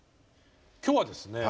今日はですね